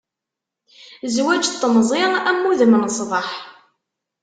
Zwaǧ n temẓi am wudem n ṣṣbeḥ.